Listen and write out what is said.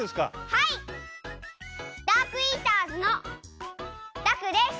はいダークイーターズのダクです。